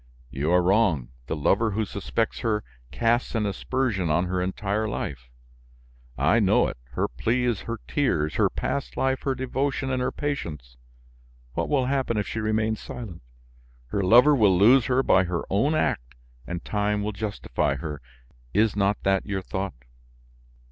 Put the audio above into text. "You are wrong, the lover who suspects her casts an aspersion on her entire life, I know it; her plea is her tears, her past life, her devotion and her patience. What will happen if she remains silent? Her lover will lose her by her own act and time will justify her. Is not that your thought?"